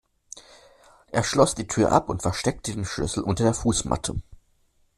Er schloss die Tür ab und versteckte den Schlüssel unter der Fußmatte.